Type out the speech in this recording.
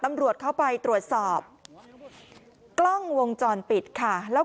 กลุ่มตัวเชียงใหม่